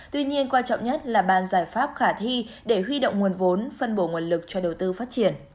tuy nhiên quan trọng nhất là bàn giải pháp khả thi để huy động nguồn vốn phân bổ nguồn lực cho đầu tư phát triển